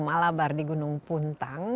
malabar di gunung puntang